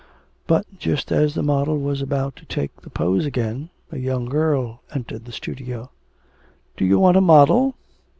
But, just as the model was about to take the pose again, a young girl entered the studio. 'Do you want a model?'